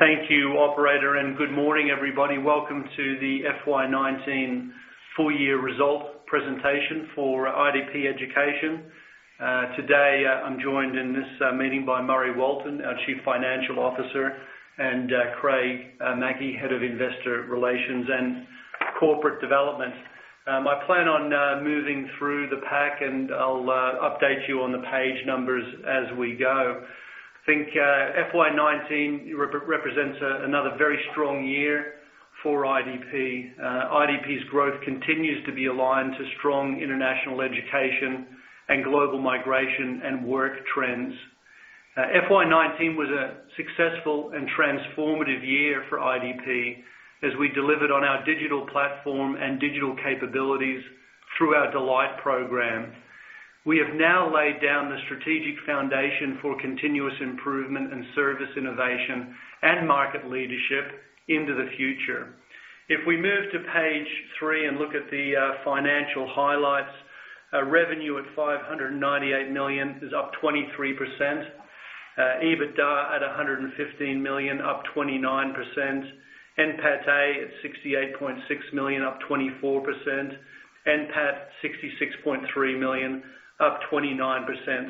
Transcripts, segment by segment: Thank you operator, good morning, everybody. Welcome to the FY 2019 full-year result presentation for IDP Education. Today, I'm joined in this meeting by Murray Walton, our Chief Financial Officer, and Craig Mackey, Head of Investor Relations and Corporate Development. I plan on moving through the pack, and I'll update you on the page numbers as we go. I think FY 2019 represents another very strong year for IDP. IDP's growth continues to be aligned to strong international education and global migration and work trends. FY 2019 was a successful and transformative year for IDP as we delivered on our digital platform and digital capabilities through our Delight program. We have now laid down the strategic foundation for continuous improvement in service innovation and market leadership into the future. If we move to page three and look at the financial highlights, revenue at 598 million is up 23%. EBITDA at 115 million, up 29%. NPATA at 68.6 million, up 24%. NPAT, 66.3 million, up 29%.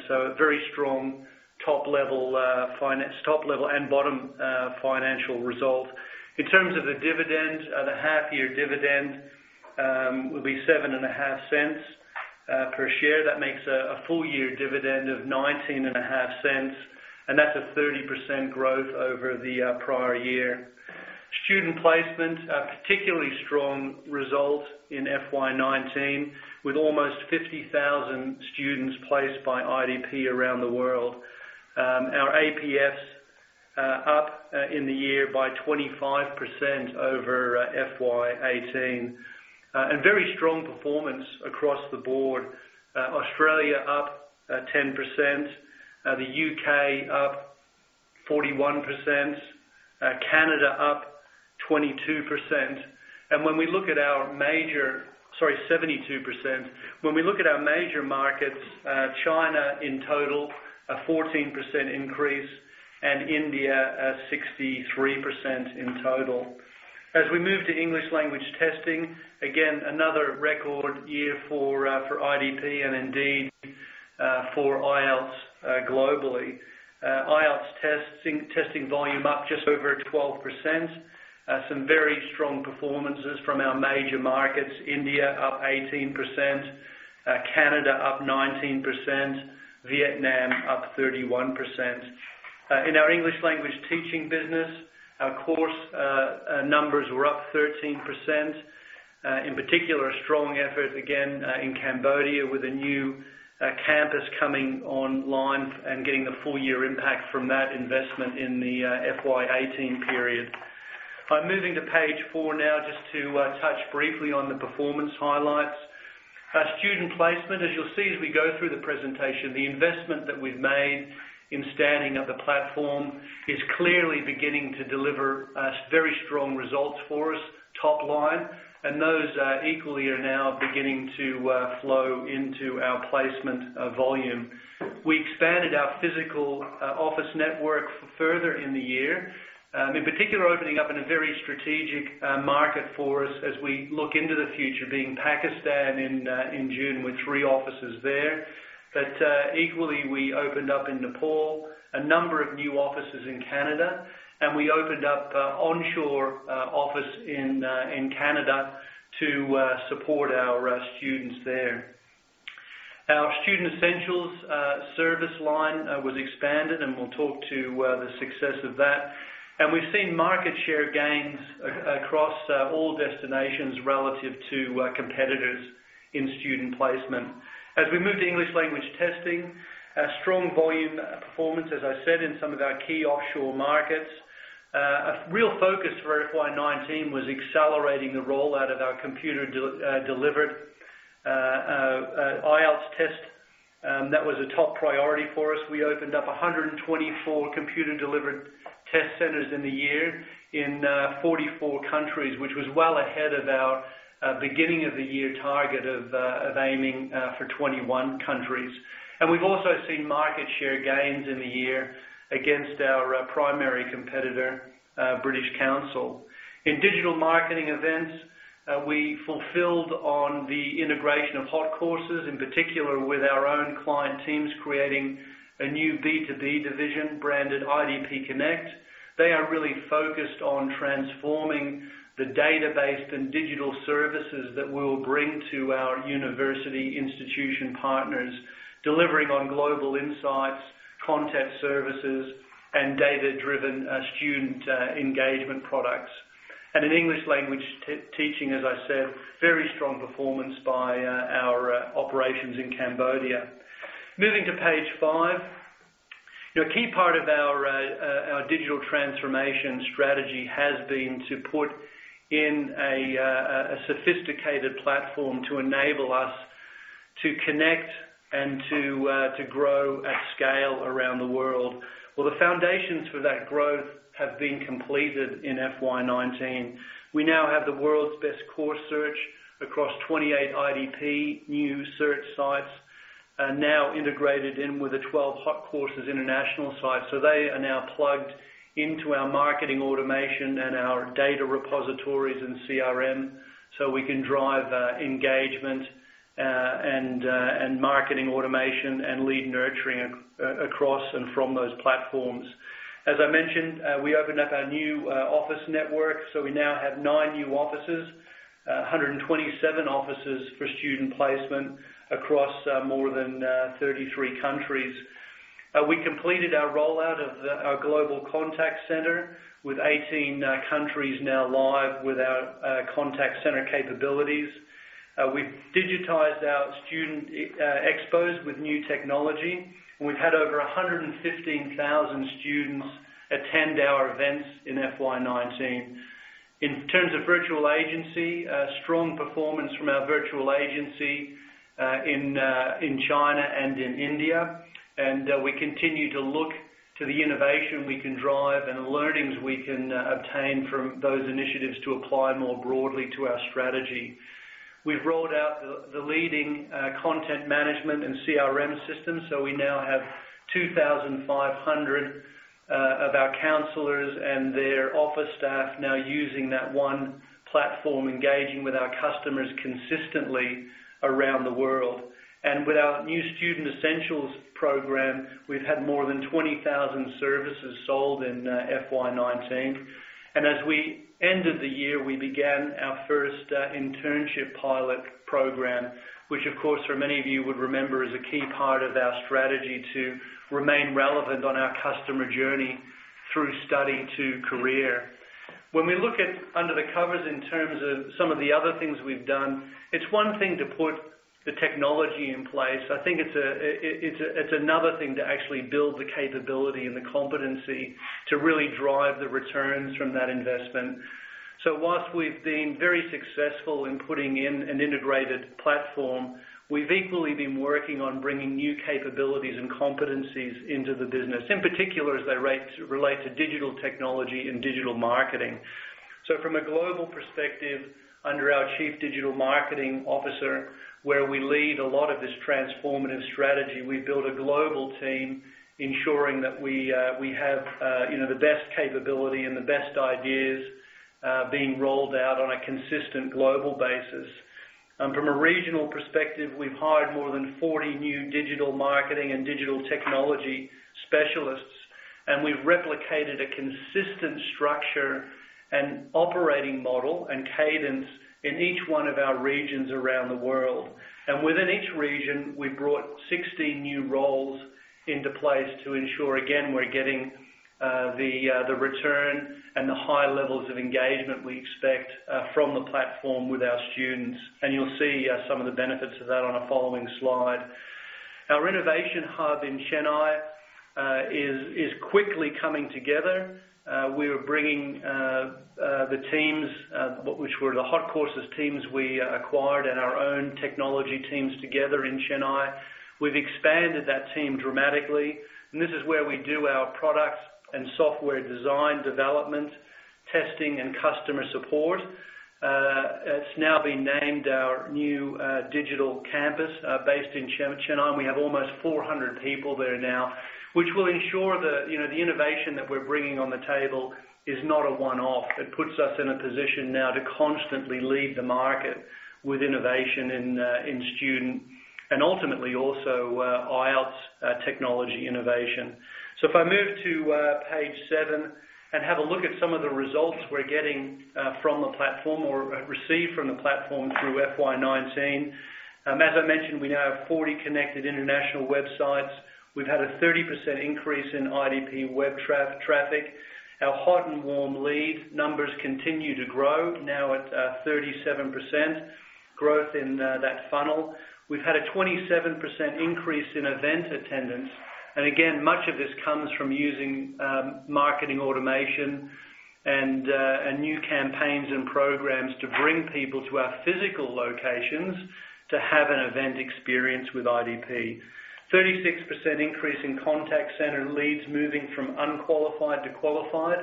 A very strong top level and bottom financial result. In terms of the dividend, the half-year dividend will be 0.075 per share. That makes a full-year dividend of 0.195, and that's a 30% growth over the prior year. Student placement, a particularly strong result in FY 2019, with almost 50,000 students placed by IDP around the world. Our APFs up in the year by 25% over FY 2018. Very strong performance across the board. Australia up 10%, the U.K. up 41%, Canada up 22%. Sorry, 72%. When we look at our major markets, China in total, a 14% increase, and India at 63% in total. As we move to English language testing, again, another record year for IDP and indeed for IELTS globally. IELTS testing volume up just over 12%. Some very strong performances from our major markets. India up 18%, Canada up 19%, Vietnam up 31%. In our English language teaching business, our course numbers were up 13%. In particular, a strong effort again in Cambodia with a new campus coming online and getting the full year impact from that investment in the FY 2018 period. I'm moving to page four now just to touch briefly on the performance highlights. Student placement, as you'll see as we go through the presentation, the investment that we've made in standing up the platform is clearly beginning to deliver very strong results for us top line, and those equally are now beginning to flow into our placement volume. We expanded our physical office network further in the year. Opening up in a very strategic market for us as we look into the future, being Pakistan in June with three offices there. Equally, we opened up in Nepal, a number of new offices in Canada, and we opened up an onshore office in Canada to support our students there. Our Student Essentials service line was expanded, we'll talk to the success of that. We've seen market share gains across all destinations relative to competitors in student placement. As we move to English language testing, strong volume performance, as I said, in some of our key offshore markets. A real focus for FY 2019 was accelerating the rollout of our computer-delivered IELTS test. That was a top priority for us. We opened up 124 computer-delivered test centers in the year in 44 countries, which was well ahead of our beginning of the year target of aiming for 21 countries. We've also seen market share gains in the year against our primary competitor, British Council. In digital marketing events, we fulfilled on the integration of Hotcourses, in particular with our own client teams creating a new B2B division branded IDP Connect. They are really focused on transforming the database and digital services that we'll bring to our university institution partners, delivering on global insights, content services, and data-driven student engagement products. In English language testing, as I said, very strong performance by our operations in Cambodia. Moving to page five. A key part of our digital transformation strategy has been to put in a sophisticated platform to enable us to connect and to grow at scale around the world. The foundations for that growth have been completed in FY 2019. We now have the world's best course search across 28 IDP new search sites are now integrated in with the 12 Hotcourses international sites. They are now plugged into our marketing automation and our data repositories and CRM, so we can drive engagement and marketing automation and lead nurturing across and from those platforms. As I mentioned, we opened up our new office network. We now have nine new offices, 127 offices for student placement across more than 33 countries. We completed our rollout of our global contact center, with 18 countries now live with our contact center capabilities. We've digitized our student expos with new technology. We've had over 115,000 students attend our events in FY 2019. In terms of virtual agency, strong performance from our virtual agency in China and in India. We continue to look to the innovation we can drive and the learnings we can obtain from those initiatives to apply more broadly to our strategy. We've rolled out the leading content management and CRM system, so we now have 2,500 of our counselors and their office staff now using that one platform, engaging with our customers consistently around the world. With our new Student Essentials program, we've had more than 20,000 services sold in FY 2019. As we ended the year, we began our first internship pilot program, which of course, for many of you would remember, is a key part of our strategy to remain relevant on our customer journey through study to career. When we look at under the covers in terms of some of the other things we've done, it's one thing to put the technology in place. I think it's another thing to actually build the capability and the competency to really drive the returns from that investment. Whilst we've been very successful in putting in an integrated platform, we've equally been working on bringing new capabilities and competencies into the business, in particular as they relate to digital technology and digital marketing. From a global perspective, under our Chief Digital Marketing Officer, where we lead a lot of this transformative strategy, we build a global team ensuring that we have the best capability and the best ideas being rolled out on a consistent global basis. From a regional perspective, we've hired more than 40 new digital marketing and digital technology specialists. We've replicated a consistent structure and operating model and cadence in each one of our regions around the world. Within each region, we've brought 60 new roles into place to ensure, again, we're getting the return and the high levels of engagement we expect from the platform with our students. You'll see some of the benefits of that on a following slide. Our innovation hub in Chennai is quickly coming together. We're bringing the teams, which were the Hotcourses teams we acquired and our own technology teams together in Chennai. We've expanded that team dramatically. This is where we do our product and software design, development, testing, and customer support. It's now been named our new digital campus, based in Chennai, and we have almost 400 people there now, which will ensure that the innovation that we're bringing on the table is not a one-off. It puts us in a position now to constantly lead the market with innovation in student, and ultimately also IELTS technology innovation. If I move to page seven and have a look at some of the results we're getting from the platform or received from the platform through FY19. As I mentioned, we now have 40 connected international websites. We've had a 30% increase in IDP web traffic. Our hot and warm lead numbers continue to grow, now at 37% growth in that funnel. We've had a 27% increase in event attendance. Again, much of this comes from using marketing automation and new campaigns and programs to bring people to our physical locations to have an event experience with IDP. 36% increase in contact center leads moving from unqualified to qualified.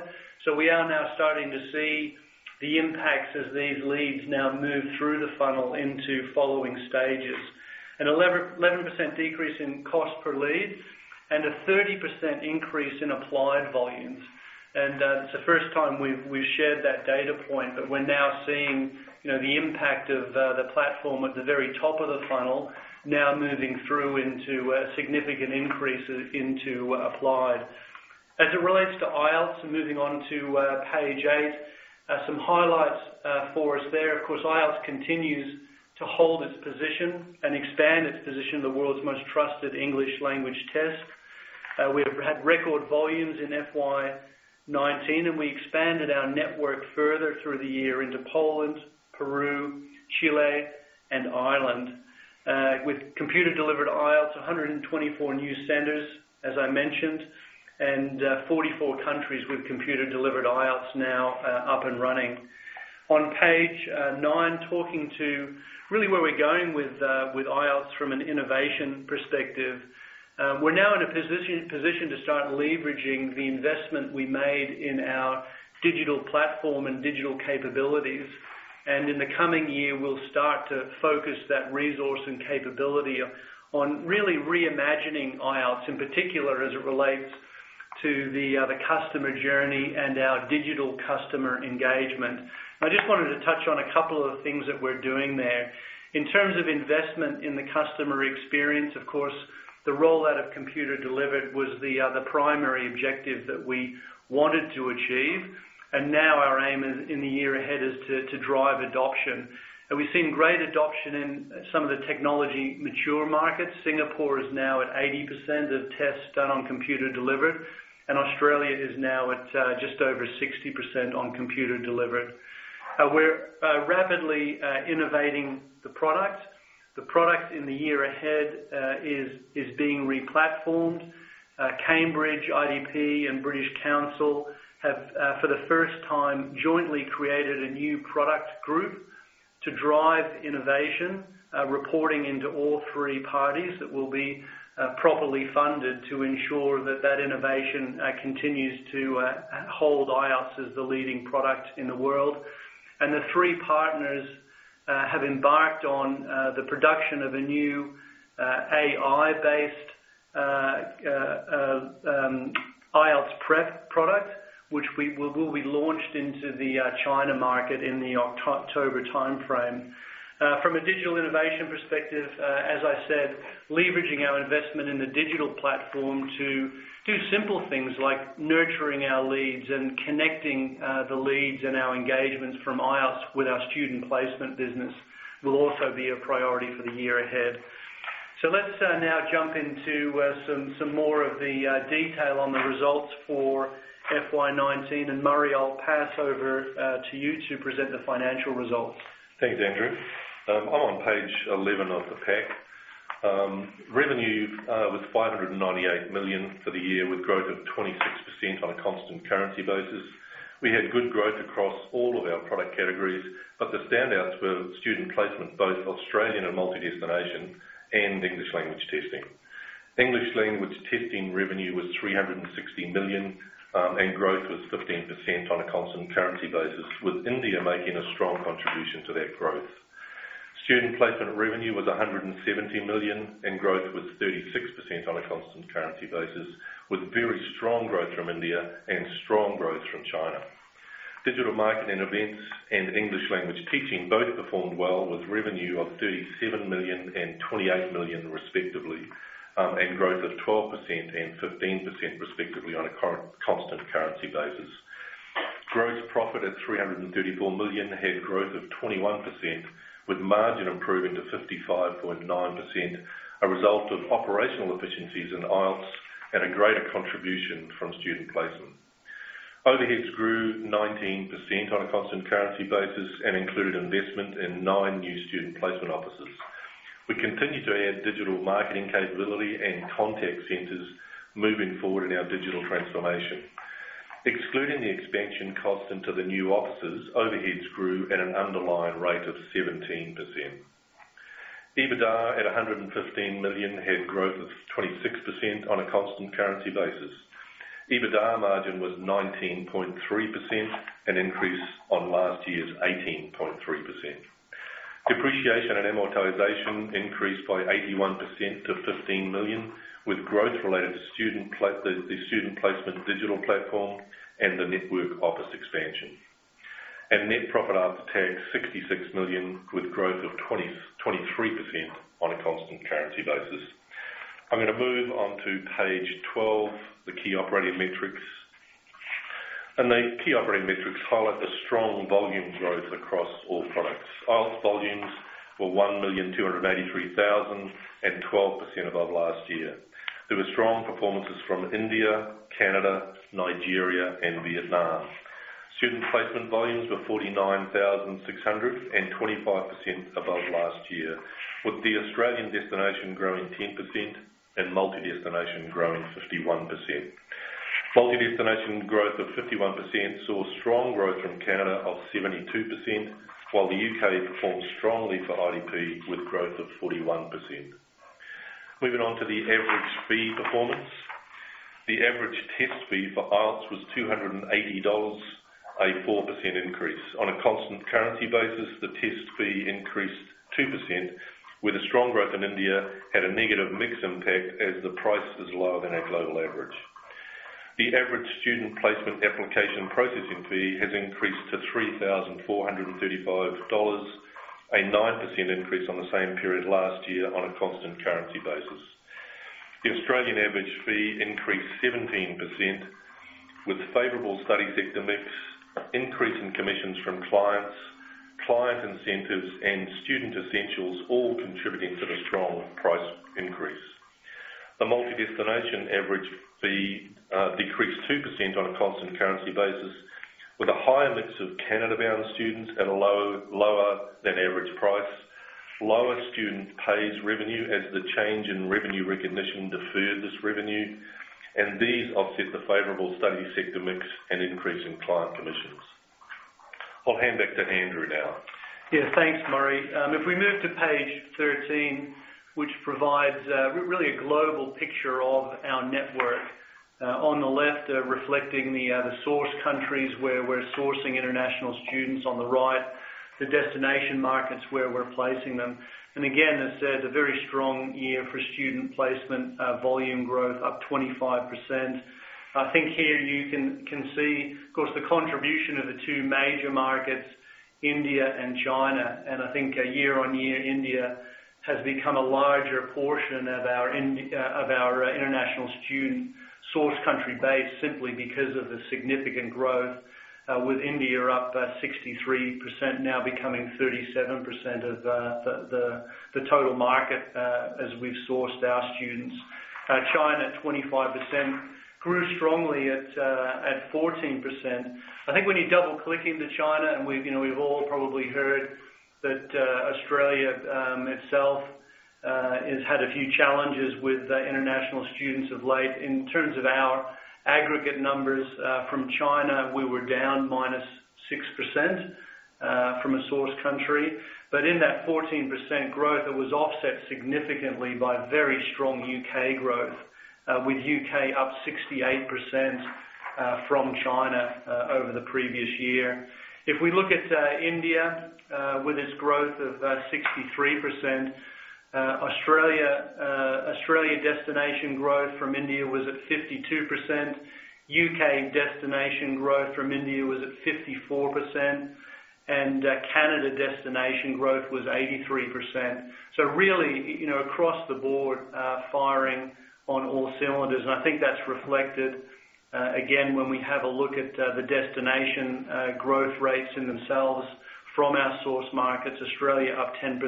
We are now starting to see the impacts as these leads now move through the funnel into following stages. An 11% decrease in cost per lead and a 30% increase in applied volumes. It's the first time we've shared that data point, but we're now seeing the impact of the platform at the very top of the funnel now moving through into a significant increase into applied. As it relates to IELTS, and moving on to page eight, some highlights for us there. Of course, IELTS continues to hold its position and expand its position as the world's most trusted English language test. We've had record volumes in FY 2019, and we expanded our network further through the year into Poland, Peru, Chile, and Ireland. With computer-delivered IELTS, 124 new centers, as I mentioned, and 44 countries with computer-delivered IELTS now up and running. On page nine, talking to really where we're going with IELTS from an innovation perspective. We're now in a position to start leveraging the investment we made in our digital platform and digital capabilities. In the coming year, we'll start to focus that resource and capability on really reimagining IELTS, in particular, as it relates to the customer journey and our digital customer engagement. I just wanted to touch on a couple of things that we're doing there. In terms of investment in the customer experience, of course, the rollout of computer-delivered was the primary objective that we wanted to achieve. Now our aim in the year ahead is to drive adoption. We've seen great adoption in some of the technology-mature markets. Singapore is now at 80% of tests done on computer-delivered, and Australia is now at just over 60% on computer-delivered. We're rapidly innovating the product. The product in the year ahead is being re-platformed. Cambridge, IDP, and British Council have, for the first time, jointly created a new product group to drive innovation, reporting into all three parties that will be properly funded to ensure that that innovation continues to hold IELTS as the leading product in the world. The three partners have embarked on the production of a new AI-based IELTS prep product, which will be launched into the China market in the October timeframe. From a digital innovation perspective, as I said, leveraging our investment in the digital platform to do simple things like nurturing our leads and connecting the leads and our engagements from IELTS with our student placement business will also be a priority for the year ahead. Let's now jump into some more of the detail on the results for FY 2019. Murray, I'll pass over to you to present the financial results. Thanks, Andrew. I'm on page 11 of the pack. Revenue was 598 million for the year, with growth of 26% on a constant currency basis. We had good growth across all of our product categories, but the standouts were student placement, both Australian and multi-destination, and English language testing. English language testing revenue was 360 million, and growth was 15% on a constant currency basis, with India making a strong contribution to that growth. Student placement revenue was 170 million, and growth was 36% on a constant currency basis, with very strong growth from India and strong growth from China. Digital marketing events and English language teaching both performed well, with revenue of 37 million and 28 million, respectively, and growth of 12% and 15%, respectively, on a constant currency basis. Gross profit at 334 million had growth of 21%, with margin improving to 55.9%, a result of operational efficiencies in IELTS and a greater contribution from student placement. Overheads grew 19% on a constant currency basis and include investment in nine new student placement offices. We continue to add digital marketing capability and contact centers moving forward in our digital transformation. Excluding the expansion cost into the new offices, overheads grew at an underlying rate of 17%. EBITDA at 115 million had growth of 26% on a constant currency basis. EBITDA margin was 19.3%, an increase on last year's 18.3%. Depreciation and amortization increased by 81% to 15 million, with growth related to the student placement digital platform and the network office expansion. Net profit after tax, 66 million with growth of 23% on a constant currency basis. I'm going to move on to page 12, the key operating metrics. The key operating metrics highlight the strong volume growth across all products. IELTS volumes were 1,283,000 and 12% above last year. There were strong performances from India, Canada, Nigeria, and Vietnam. Student placement volumes were 49,600 and 25% above last year, with the Australian destination growing 10% and multi-destination growing 51%. Multi-destination growth of 51% saw strong growth from Canada of 72%, while the U.K. performed strongly for IDP with growth of 41%. Moving on to the average fee performance. The average test fee for IELTS was 280 dollars, a 4% increase. On a constant currency basis, the test fee increased 2%, with a strong growth in India at a negative mix impact as the price is lower than our global average. The average student placement Application Processing Fee has increased to 3,435 dollars, a 9% increase on the same period last year on a constant currency basis. The Australian average fee increased 17%, with favorable study sector mix, increase in commissions from clients, client incentives, and Student Essentials all contributing to the strong price increase. The multi-destination average fee decreased 2% on a constant currency basis with a higher mix of Canada-bound students at a lower than average price, lower student pays revenue as the change in revenue recognition deferred this revenue. These offset the favorable study sector mix and increase in client commissions. I'll hand back to Andrew now. Yeah. Thanks, Murray. If we move to page 13, which provides really a global picture of our network. On the left, reflecting the source countries where we're sourcing international students, on the right, the destination markets where we're placing them. Again, as said, a very strong year for student placement volume growth, up 25%. I think here you can see, of course, the contribution of the two major markets, India and China. I think year-on-year, India has become a larger portion of our international student source country base simply because of the significant growth, with India up 63%, now becoming 37% of the total market as we've sourced our students. China at 25%, grew strongly at 14%. I think when you double-click into China, we've all probably heard that Australia itself has had a few challenges with international students of late. In terms of our aggregate numbers from China, we were down -6% from a source country. In that 14% growth, it was offset significantly by very strong U.K. growth, with U.K. up 68% from China over the previous year. If we look at India, with its growth of 63%, Australia destination growth from India was at 52%. U.K. destination growth from India was at 54%, and Canada destination growth was 83%. Really, across the board, firing on all cylinders. I think that's reflected again when we have a look at the destination growth rates in themselves from our source markets. Australia up 10%,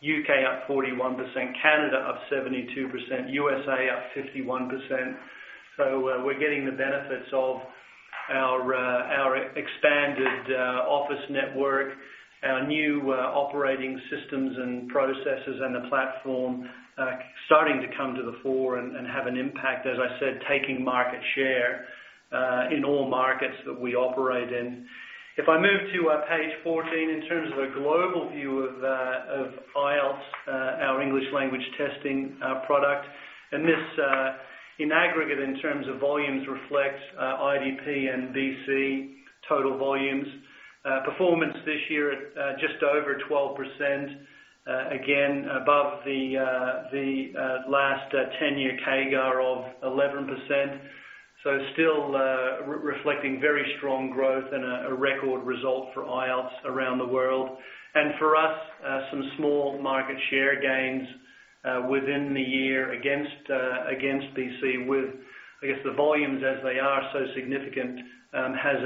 U.K. up 41%, Canada up 72%, USA up 51%. We're getting the benefits of our expanded office network, our new operating systems and processes, and the platform starting to come to the fore and have an impact, as I said, taking market share in all markets that we operate in. If I move to page 14, in terms of a global view of IELTS, our English language testing product. This, in aggregate in terms of volumes, reflects IDP and British Council total volumes. Performance this year at just over 12%, again above the last 10-year CAGR of 11%. Still reflecting very strong growth and a record result for IELTS around the world. For us, some small market share gains within the year against British Council with, I guess the volumes as they are so significant, has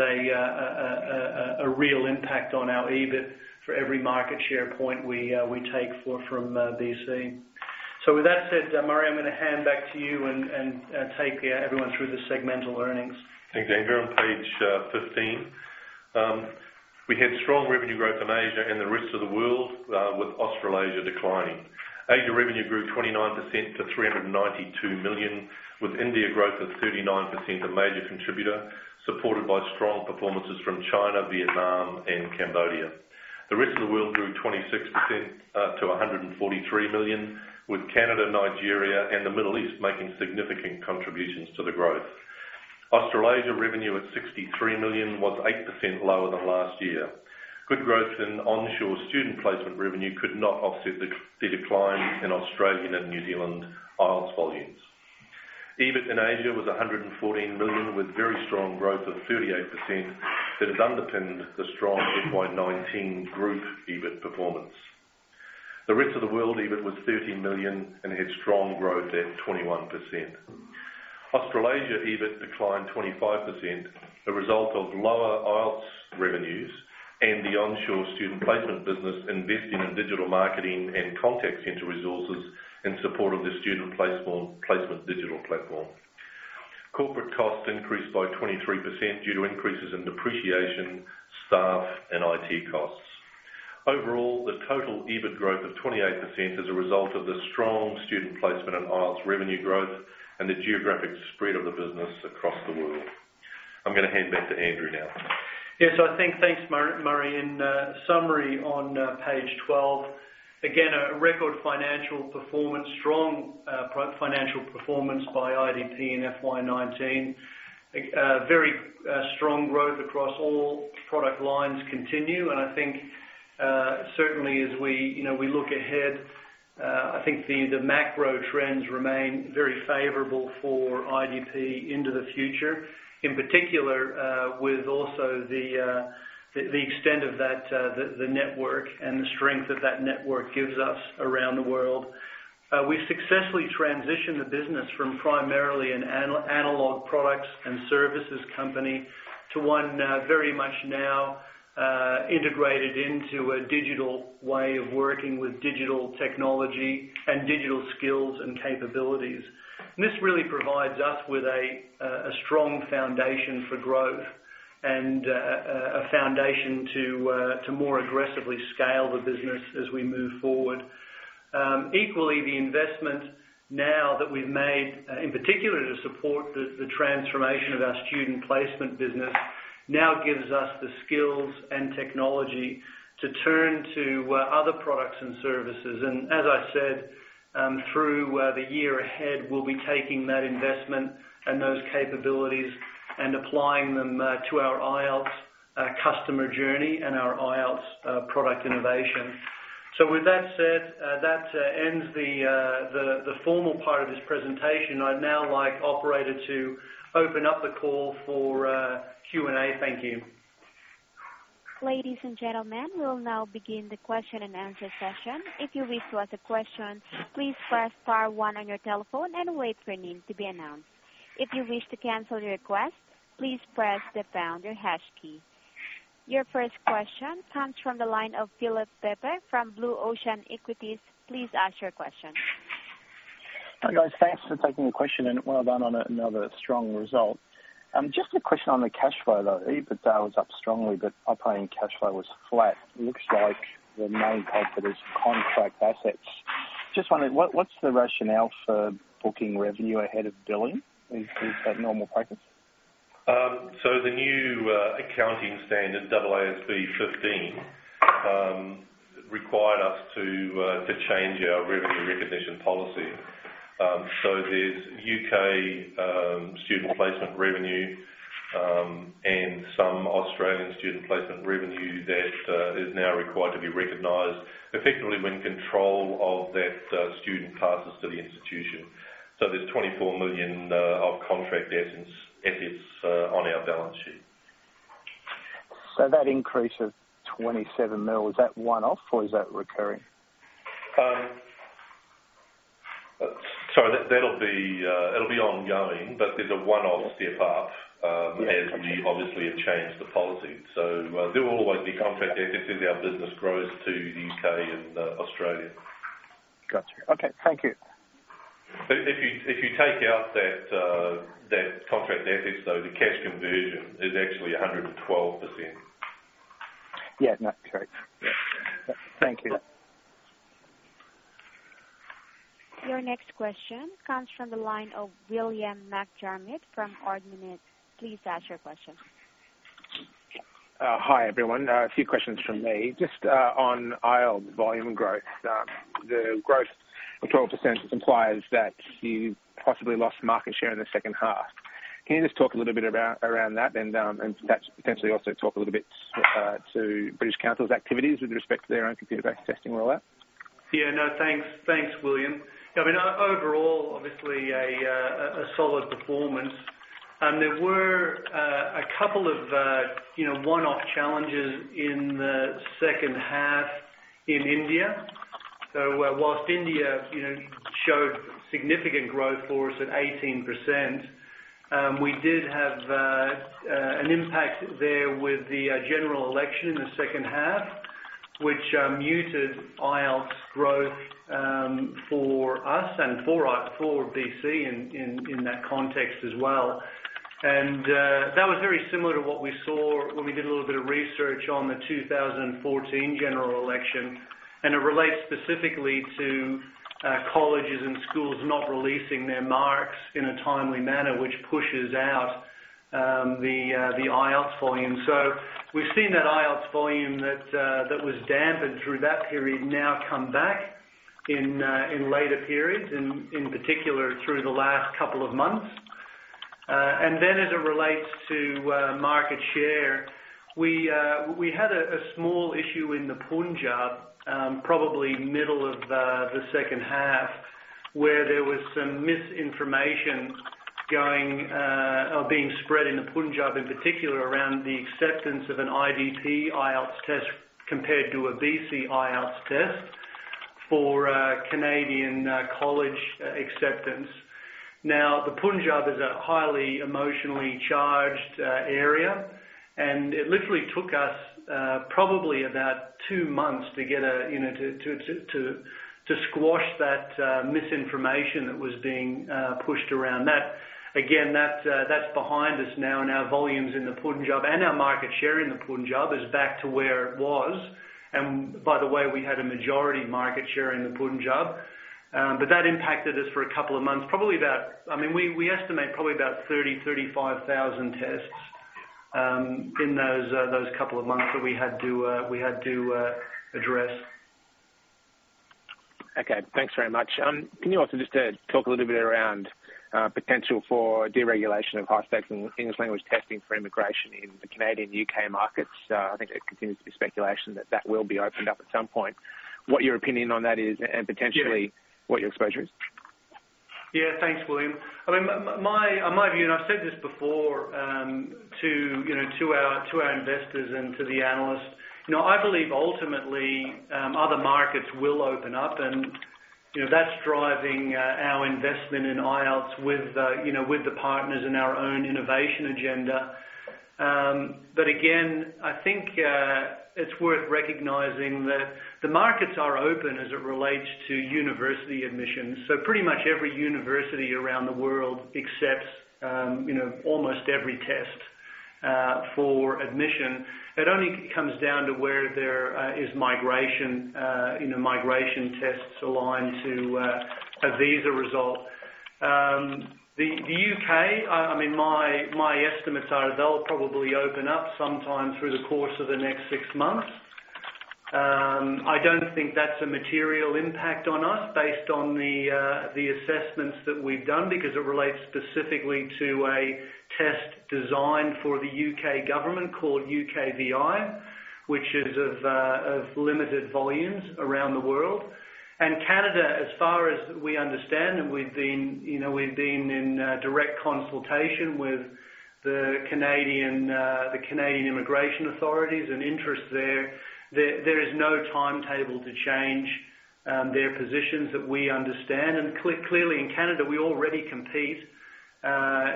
a real impact on our EBIT for every one market share point we take from British Council. With that said, Murray, I'm going to hand back to you and take everyone through the segmental earnings. Thanks, Andrew. On page 15, we had strong revenue growth in Asia and the rest of the world, with Australasia declining. Asia revenue grew 29% to 392 million, with India growth of 39% a major contributor, supported by strong performances from China, Vietnam and Cambodia. The rest of the world grew 26% to 143 million, with Canada, Nigeria and the Middle East making significant contributions to the growth. Australasia revenue at 63 million was 8% lower than last year. Good growth in onshore student placement revenue could not offset the decline in Australian and New Zealand IELTS volumes. EBIT in Asia was 114 million, with very strong growth of 38% that has underpinned the strong FY 2019 group EBIT performance. The rest of the world EBIT was 13 million and had strong growth at 21%. Australasia EBIT declined 25%, a result of lower IELTS revenues and the onshore student placement business investing in digital marketing and contact center resources in support of the student placement digital platform. Corporate costs increased by 23% due to increases in depreciation, staff and IT costs. Overall, the total EBIT growth of 28% is a result of the strong student placement and IELTS revenue growth and the geographic spread of the business across the world. I'm going to hand back to Andrew now. Yes. Thanks, Murray. In summary, on page 12, again, a record financial performance, strong financial performance by IDP in FY19. Very strong growth across all product lines continue, and I think certainly as we look ahead, I think the macro trends remain very favorable for IDP into the future. In particular, with also the extent of the network and the strength that that network gives us around the world. We've successfully transitioned the business from primarily an analog products and services company to one very much now integrated into a digital way of working with digital technology and digital skills and capabilities. This really provides us with a strong foundation for growth and a foundation to more aggressively scale the business as we move forward. Equally, the investment now that we've made, in particular to support the transformation of our student placement business, now gives us the skills and technology to turn to other products and services. As I said, through the year ahead, we'll be taking that investment and those capabilities and applying them to our IELTS customer journey and our IELTS product innovation. With that said, that ends the formal part of this presentation. I'd now like operator to open up the call for Q&A. Thank you. Ladies and gentlemen, we'll now begin the question and answer session. If you wish to ask a question, please press star 1 on your telephone and wait for your name to be announced. If you wish to cancel your request, please press the pound or hash key. Your first question comes from the line of Philip Pepe from Blue Ocean Equities. Please ask your question. Hi, guys. Thanks for taking the question, and well done on another strong result. Just a question on the cash flow, though. EBITDA was up strongly, operating cash flow was flat. Looks like the main culprit is contract assets. Just wondering, what's the rationale for booking revenue ahead of billing? Is that normal practice? The new accounting standard, AASB 15, required us to change our revenue recognition policy. There's U.K. student placement revenue, and some Australian student placement revenue that is now required to be recognized effectively when control of that student passes to the institution. There's 24 million of contract assets on our balance sheet. That increase of 27 million, is that one-off or is that recurring? That'll be ongoing, but there's a one-off step up. Yeah as we obviously have changed the policy. There will always be contract assets as our business grows to the U.K. and Australia. Got you. Okay. Thank you. If you take out that contract assets, though, the cash conversion is actually 112%. Yeah. No, correct. Yeah. Thank you. Your next question comes from the line of William MacDiarmid from Ord Minnett. Please ask your question. Hi, everyone. A few questions from me. Just on IELTS volume growth. The growth of 12% implies that you possibly lost market share in the second half. Can you just talk a little bit around that and perhaps potentially also talk a little bit to British Council's activities with respect to their own computer-based testing rollout? No, thanks, William. I mean, overall, obviously a solid performance. There were a couple of one-off challenges in the second half in India. Whilst India showed significant growth for us at 18%, we did have an impact there with the general election in the second half, which muted IELTS growth, for us and for BC in that context as well. That was very similar to what we saw when we did a little bit of research on the 2014 general election, and it relates specifically to colleges and schools not releasing their marks in a timely manner, which pushes out the IELTS volume. We've seen that IELTS volume that was dampened through that period now come back in later periods, in particular through the last couple of months. As it relates to market share, we had a small issue in the Punjab, probably middle of the second half, where there was some misinformation going or being spread in the Punjab, in particular, around the acceptance of an IDP IELTS test compared to a BC IELTS test for Canadian college acceptance. The Punjab is a highly emotionally charged area, and it literally took us probably about 2 months to squash that misinformation that was being pushed around. That's behind us now in our volumes in the Punjab, and our market share in the Punjab is back to where it was. By the way, we had a majority market share in the Punjab. That impacted us for a couple of months, we estimate probably about 30,000, 35,000 tests in those couple of months that we had to address. Okay, thanks very much. Can you also just talk a little bit around potential for deregulation of high-stakes English language testing for immigration in the Canadian and U.K. markets? I think there continues to be speculation that that will be opened up at some point. What your opinion on that is and potentially what your exposure is? Yeah, thanks, William. I mean, my view, and I've said this before to our investors and to the analysts. I believe ultimately other markets will open up and that's driving our investment in IELTS with the partners and our own innovation agenda. Again, I think it's worth recognizing that the markets are open as it relates to university admissions. Pretty much every university around the world accepts almost every test for admission. It only comes down to where there is migration tests aligned to a visa result. The U.K., my estimates are they'll probably open up sometime through the course of the next six months. I don't think that's a material impact on us based on the assessments that we've done, because it relates specifically to a test designed for the U.K. government called UKVI, which is of limited volumes around the world. Canada, as far as we understand, and we've been in direct consultation with the Canadian immigration authorities and interests there. There is no timetable to change their positions that we understand. Clearly in Canada, we already compete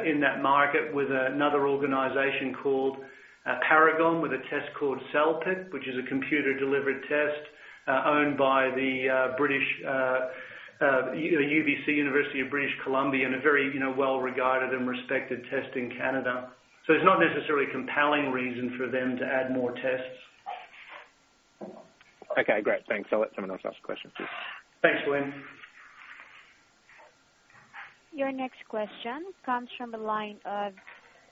in that market with another organization called Paragon, with a test called CELPIP, which is a computer-delivered test, owned by the UBC, University of British Columbia, and a very well-regarded and respected test in Canada. It's not necessarily compelling reason for them to add more tests. Okay, great. Thanks. I'll let someone else ask a question, please. Thanks, Glenn. Your next question comes from the line of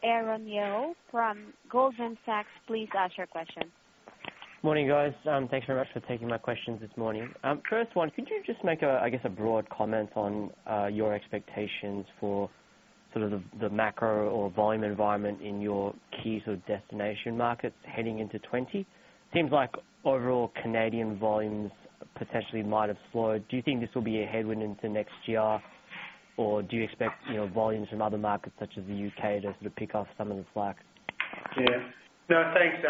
Aaron Yeoh from Goldman Sachs. Please ask your question. Morning, guys. Thanks very much for taking my questions this morning. First one, could you just make a broad comment on your expectations for sort of the macro or volume environment in your key sort of destination markets heading into 2020? Seems like overall Canadian volumes potentially might have slowed. Do you think this will be a headwind into next year? Or do you expect volumes from other markets such as the U.K. to sort of pick up some of the slack? No, thanks,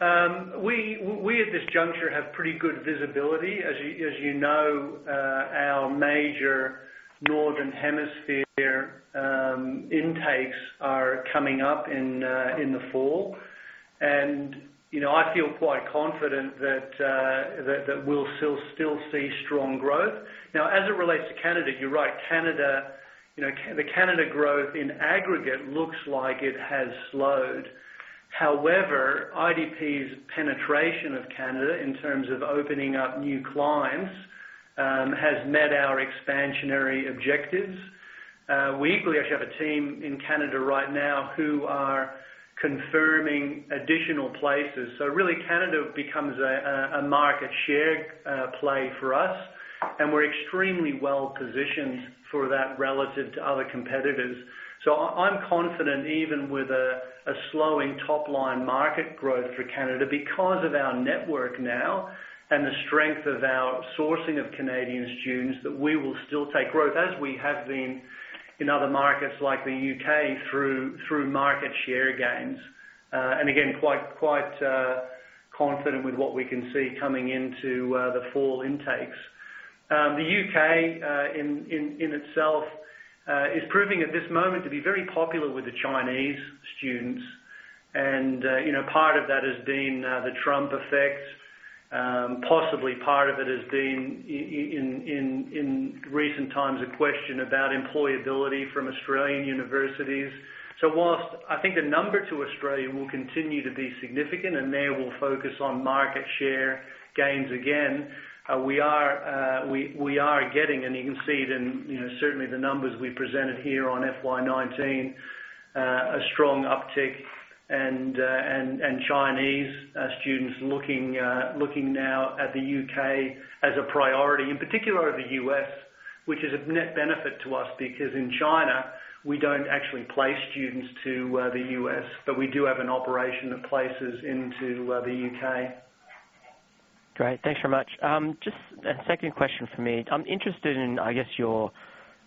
Aaron. We, at this juncture, have pretty good visibility. As you know, our major northern hemisphere intakes are coming up in the fall. I feel quite confident that we'll still see strong growth. Now, as it relates to Canada, you're right. The Canada growth in aggregate looks like it has slowed. However, IDP's penetration of Canada in terms of opening up new clients has met our expansionary objectives. We actually have a team in Canada right now who are confirming additional places. Really, Canada becomes a market share play for us, and we're extremely well-positioned for that relative to other competitors. I'm confident, even with a slowing top-line market growth for Canada because of our network now and the strength of our sourcing of Canadian students, that we will still take growth as we have been in other markets like the U.K. through market share gains. Again, quite confident with what we can see coming into the fall intakes. The U.K., in itself, is proving at this moment to be very popular with the Chinese students. Part of that has been the Trump effect. Possibly part of it has been, in recent times, a question about employability from Australian universities. Whilst I think the number to Australia will continue to be significant and there we'll focus on market share gains again, we are getting, and you can see it in certainly the numbers we presented here on FY19, a strong uptick and Chinese students looking now at the U.K. as a priority, in particular over the U.S., which is of net benefit to us, because in China, we don't actually place students to the U.S., but we do have an operation that places into the U.K. Great. Thanks very much. Just a second question from me. I'm interested in your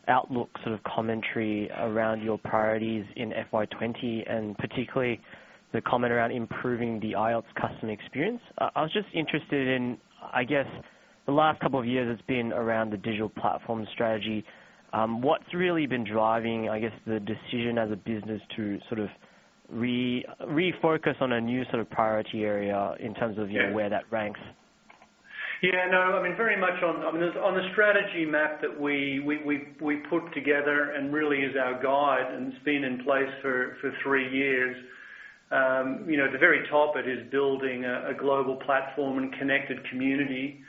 outlook sort of commentary around your priorities in FY 2020, and particularly the comment around improving the IELTS customer experience. I was just interested in, I guess the last couple of years it's been around the digital platform strategy. What's really been driving, I guess, the decision as a business to sort of refocus on a new sort of priority area? Yeah where that ranks? Yeah. No, very much. On the strategy map that we put together and really is our guide and it's been in place for three years. At the very top, it is building a global platform and connected community,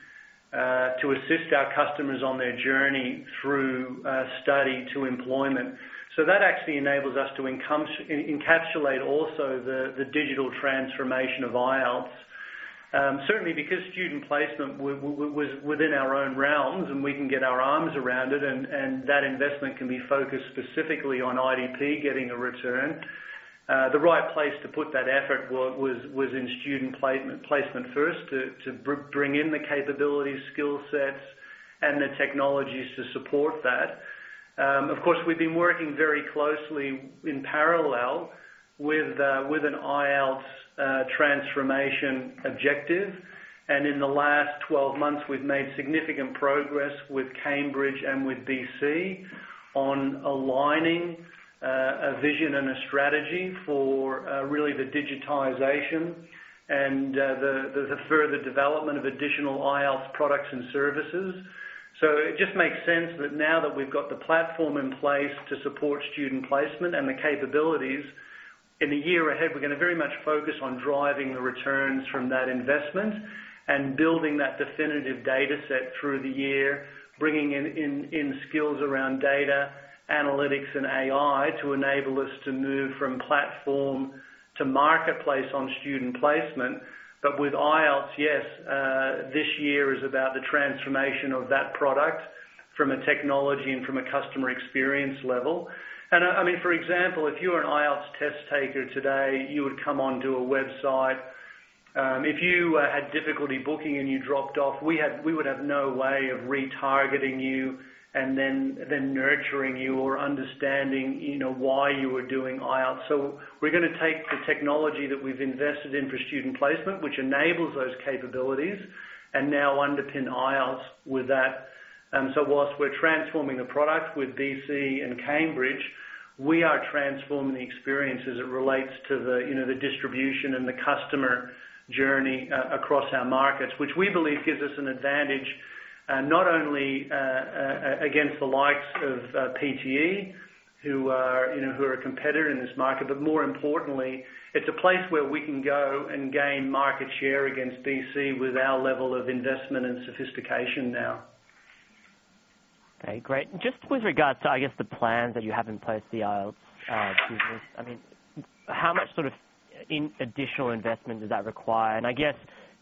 to assist our customers on their journey through study to employment. That actually enables us to encapsulate also the digital transformation of IELTS. Certainly because student placement was within our own realms, and we can get our arms around it, and that investment can be focused specifically on IDP getting a return. The right place to put that effort was in student placement first to bring in the capabilities, skill sets, and the technologies to support that. Of course, we've been working very closely in parallel with an IELTS transformation objective. In the last 12 months, we've made significant progress with Cambridge and with BC on aligning a vision and a strategy for really the digitization and the further development of additional IELTS products and services. It just makes sense that now that we've got the platform in place to support student placement and the capabilities, in the year ahead, we're going to very much focus on driving the returns from that investment and building that definitive data set through the year, bringing in skills around data analytics and AI to enable us to move from platform to marketplace on student placement. With IELTS, yes, this year is about the transformation of that product from a technology and from a customer experience level. For example, if you are an IELTS test taker today, you would come onto a website. If you had difficulty booking and you dropped off, we would have no way of retargeting you and then nurturing you or understanding why you were doing IELTS. We're going to take the technology that we've invested in for student placement, which enables those capabilities, and now underpin IELTS with that. Whilst we're transforming the product with BC and Cambridge, we are transforming the experience as it relates to the distribution and the customer journey across our markets, which we believe gives us an advantage, not only against the likes of PTE, who are a competitor in this market, but more importantly, it's a place where we can go and gain market share against BC with our level of investment and sophistication now. Okay, great. Just with regards to the plans that you have in place for the IELTS business, how much additional investment does that require? I guess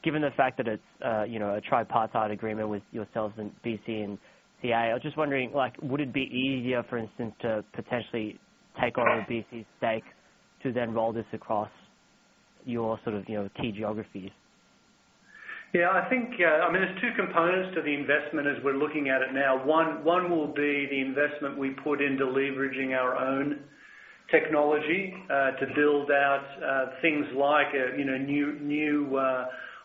given the fact that it's a tripartite agreement with yourselves and BC and CA, I was just wondering, would it be easier, for instance, to potentially take on BC's stake to then roll this across your key geographies? Yeah. There's two components to the investment as we're looking at it now. One will be the investment we put into leveraging our own technology, to build out things like new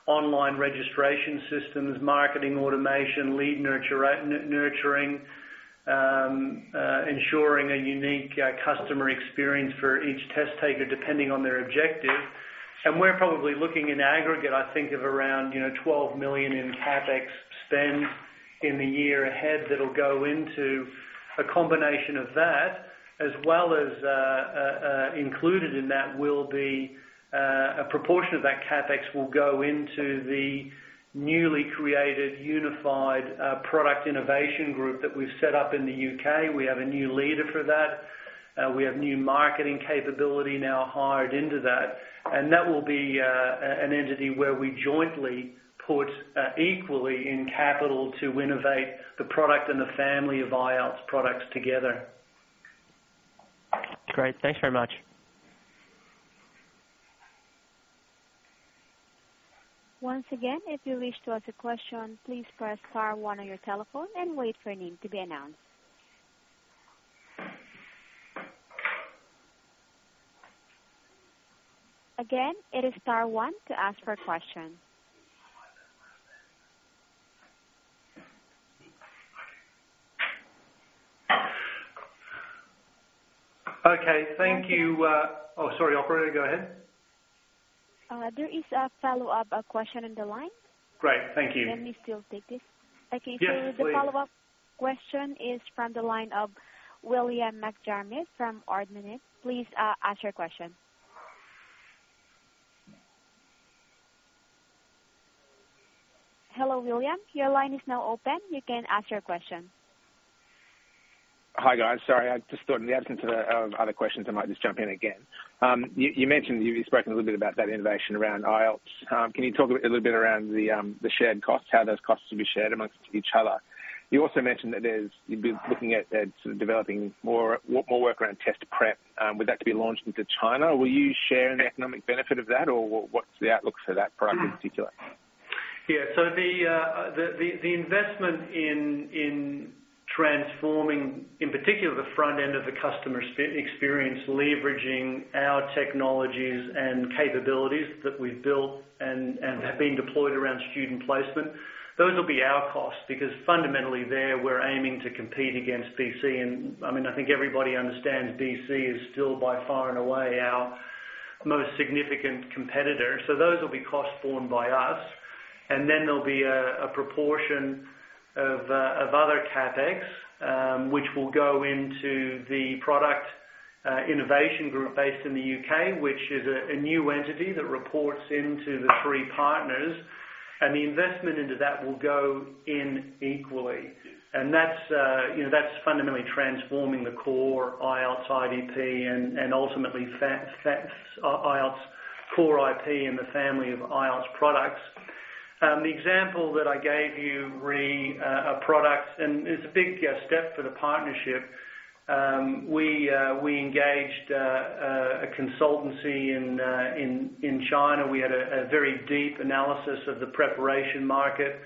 online registration systems, marketing automation, lead nurturing, ensuring a unique customer experience for each test taker, depending on their objective. We're probably looking in aggregate, I think, of around 12 million in CapEx spend in the year ahead that'll go into a combination of that, as well as included in that will be a proportion of that CapEx will go into the newly created unified product innovation group that we've set up in the U.K. We have a new leader for that. We have new marketing capability now hired into that. That will be an entity where we jointly put equally in capital to innovate the product and the family of IELTS products together. Great. Thanks very much. Once again, if you wish to ask a question, please press star one on your telephone and wait for your name to be announced. Again, it is star one to ask for a question. Okay. Oh, sorry, operator. Go ahead. There is a follow-up question on the line. Great. Thank you. Let me still take this. Okay. Yes, please. The follow-up question is from the line of William MacDiarmid from Ord Minnett. Please ask your question. Hello, William. Your line is now open. You can ask your question. Hi, guys. Sorry, I just thought in the absence of other questions, I might just jump in again. You've spoken a little bit about that innovation around IELTS. Can you talk a little bit around the shared costs, how those costs will be shared amongst each other? You also mentioned that you'd be looking at sort of developing more work around test prep. Would that be launched into China? Will you share in the economic benefit of that, or what's the outlook for that product in particular? The investment in transforming, in particular, the front end of the customer experience, leveraging our technologies and capabilities that we've built and have been deployed around student placement, those will be our costs because fundamentally there we're aiming to compete against BC. I think everybody understands BC is still by far and away our most significant competitor. Those will be costs borne by us. There'll be a proportion of other CapEx, which will go into the product innovation group based in the U.K., which is a new entity that reports into the three partners. The investment into that will go in equally. That's fundamentally transforming the core IELTS IDP and ultimately IELTS core IP and the family of IELTS products. The example that I gave you re: a product, it's a big step for the partnership. We engaged a consultancy in China. We had a very deep analysis of the preparation market.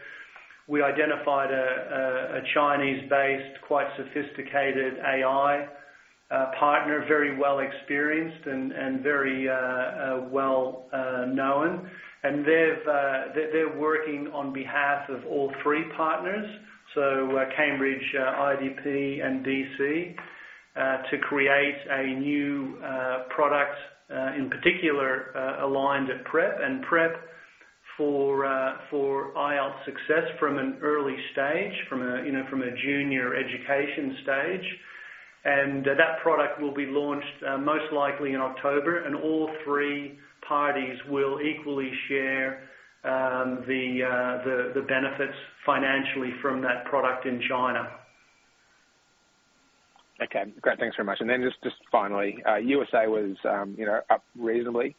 We identified a Chinese-based, quite sophisticated AI partner, very well experienced and very well-known. They're working on behalf of all three partners, so Cambridge, IDP, and BC. To create a new product, in particular, aligned at prep, and prep for IELTS success from an early stage, from a junior education stage. That product will be launched most likely in October, and all three parties will equally share the benefits financially from that product in China. Okay, great. Thanks very much. Just finally, U.S.A. was up reasonably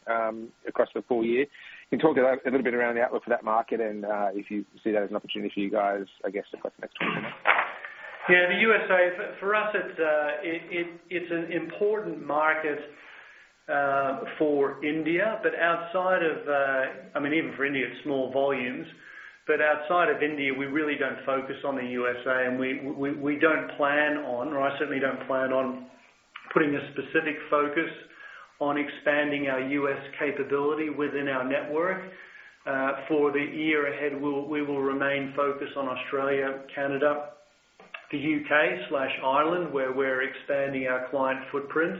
across the full year. Can you talk a little bit around the outlook for that market and if you see that as an opportunity for you guys, I guess across the next quarter? Yeah, the U.S., for us, it's an important market for India, even for India, it's small volumes. Outside of India, we really don't focus on the U.S., and we don't plan on, or I certainly don't plan on putting a specific focus on expanding our U.S. capability within our network. For the year ahead, we will remain focused on Australia, Canada, the U.K./Ireland, where we're expanding our client footprint.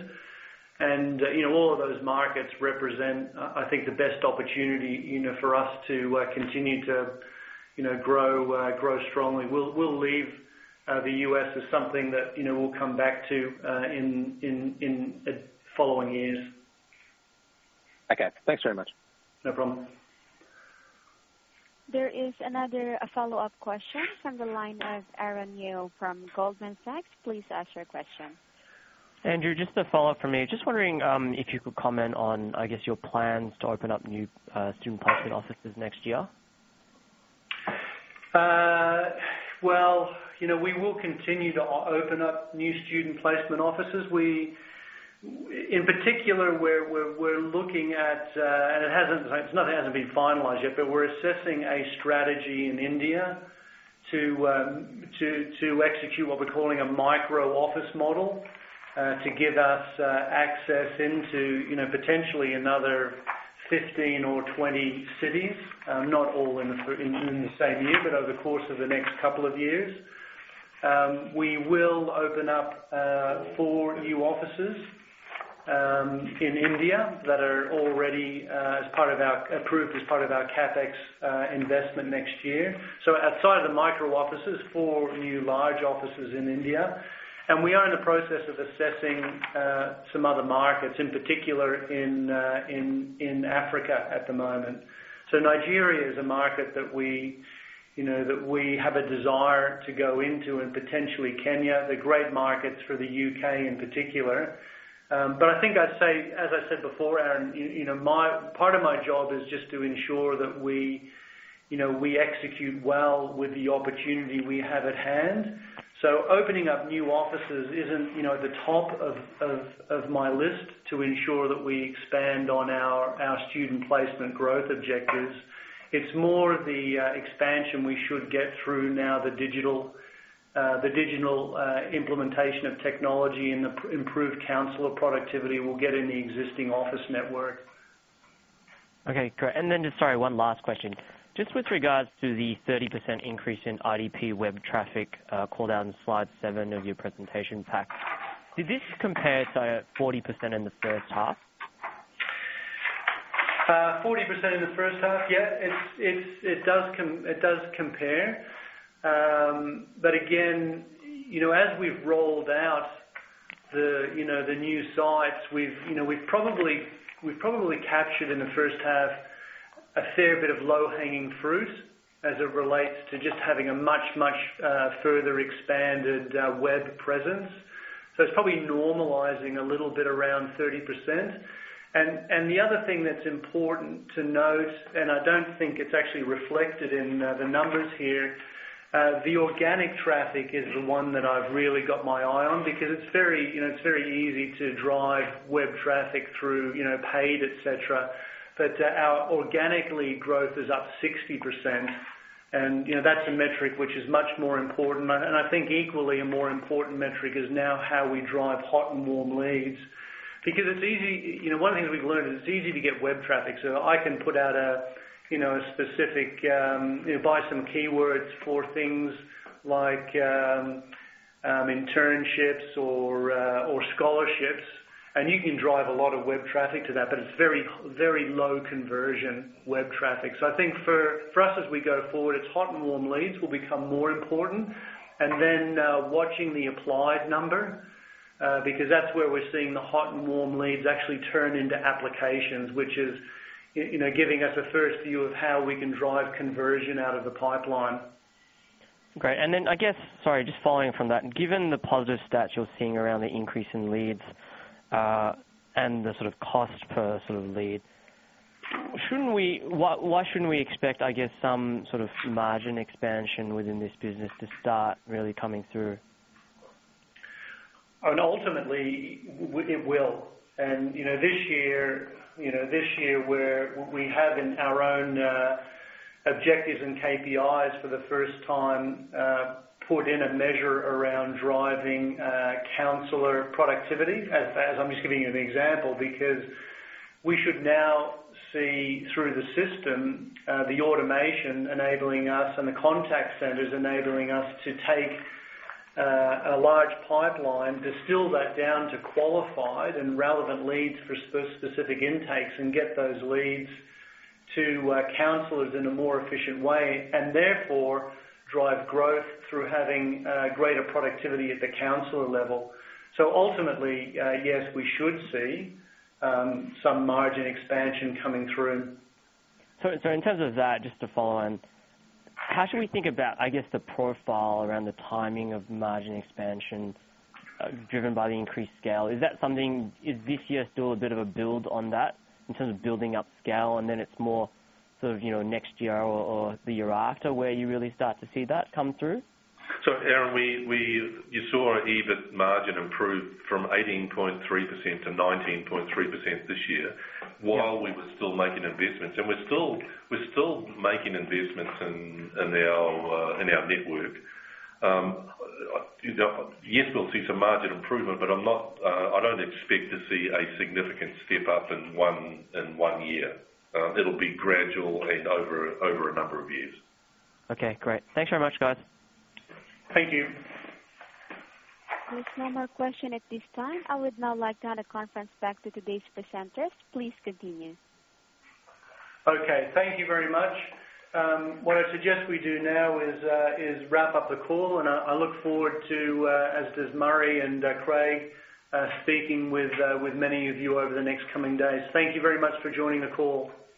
All of those markets represent, I think, the best opportunity for us to continue to grow strongly. We'll leave the U.S. as something that we'll come back to in following years. Okay, thanks very much. No problem. There is another follow-up question from the line of Aaron Yeo from Goldman Sachs. Please ask your question. Andrew, just a follow-up from me. Just wondering if you could comment on, I guess, your plans to open up new student placement offices next year. Well, we will continue to open up new student placement offices. In particular, we're looking at, and it's not that it hasn't been finalized yet, but we're assessing a strategy in India to execute what we're calling a micro office model to give us access into potentially another 15 or 20 cities. Not all in the same year, but over the course of the next couple of years. We will open up four new offices in India that are already approved as part of our CapEx investment next year. Outside of the micro offices, four new large offices in India. We are in the process of assessing some other markets, in particular in Africa at the moment. Nigeria is a market that we have a desire to go into, and potentially Kenya. They're great markets for the U.K. in particular. I think I'd say, as I said before, Aaron, part of my job is just to ensure that we execute well with the opportunity we have at hand. Opening up new offices isn't the top of my list to ensure that we expand on our student placement growth objectives. It's more the expansion we should get through now, the digital implementation of technology and the improved counselor productivity we'll get in the existing office network. Okay, great. Just, sorry, one last question. Just with regards to the 30% increase in IDP web traffic called out in slide seven of your presentation pack. Did this compare to 40% in the first half? 40% in the first half? Yeah, it does compare. Again, as we've rolled out the new sites, we've probably captured in the first half a fair bit of low-hanging fruit as it relates to just having a much, much further expanded web presence. It's probably normalizing a little bit around 30%. The other thing that's important to note, and I don't think it's actually reflected in the numbers here, the organic traffic is the one that I've really got my eye on because it's very easy to drive web traffic through paid, et cetera. Our organic growth is up 60%, and that's a metric which is much more important. I think equally a more important metric is now how we drive hot and warm leads. One of the things we've learned is it's easy to get web traffic. I can put out a specific, buy some keywords for things like internships or scholarships, and you can drive a lot of web traffic to that, but it's very low conversion web traffic. I think for us as we go forward, it's hot and warm leads will become more important, and then watching the applied number because that's where we're seeing the hot and warm leads actually turn into applications, which is giving us a first view of how we can drive conversion out of the pipeline. Great. I guess, sorry, just following from that. Given the positive stats you're seeing around the increase in leads and the sort of cost per lead, why shouldn't we expect, I guess, some sort of margin expansion within this business to start really coming through? Ultimately, it will. This year, we have in our own objectives and KPIs for the first time, put in a measure around driving counselor productivity, as I'm just giving you an example, because we should now see through the system, the automation enabling us, and the contact centers enabling us to take a large pipeline, distill that down to qualified and relevant leads for specific intakes, and get those leads to counselors in a more efficient way, and therefore drive growth through having greater productivity at the counselor level. Ultimately, yes, we should see some margin expansion coming through. In terms of that, just to follow on, how should we think about, I guess, the profile around the timing of margin expansion driven by the increased scale? Is this year still a bit of a build on that in terms of building up scale, and then it's more sort of next year or the year after where you really start to see that come through? Aaron, you saw our EBIT margin improve from 18.3% to 19.3% this year while we were still making investments, and we're still making investments in our network. Yes, we'll see some margin improvement, but I don't expect to see a significant step up in one year. It'll be gradual and over a number of years. Okay, great. Thanks very much, guys. Thank you. There's no more question at this time. I would now like to hand the conference back to today's presenters. Please continue. Okay. Thank you very much. What I suggest we do now is wrap up the call, and I look forward to, as does Murray and Craig, speaking with many of you over the next coming days. Thank you very much for joining the call.